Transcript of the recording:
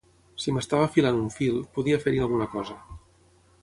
Si m'estava filant un fil, podia fer-hi alguna cosa.